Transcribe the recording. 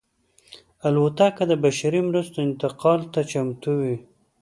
الوتکه د بشري مرستو انتقال ته چمتو وي.